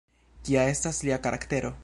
Kia estas lia karaktero?